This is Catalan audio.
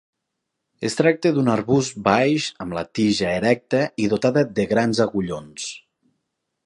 Es tracta d'un arbust baix, amb la tija erecta i dotada de grans agullons.